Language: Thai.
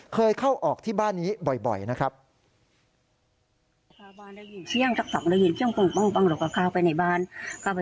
เคยเข้าออกที่บ้านนี้บ่อยนะครับ